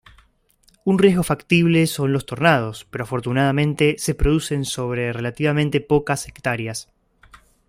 Un riesgo factible son los tornados, pero afortunadamente se producen sobre relativamente pocas hectáreas.